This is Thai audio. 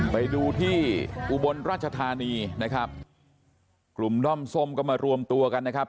ไปดูที่อุบลราชธานีนะครับกลุ่มด้อมส้มก็มารวมตัวกันนะครับ